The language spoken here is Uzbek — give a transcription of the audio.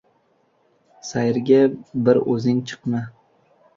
• Sayrga bir o‘zing chiqma.